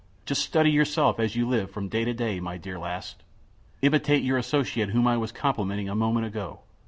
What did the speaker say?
Just study yourself as you live from day to day, my dear Last. Imitate your associate whom I was complimenting a moment ago.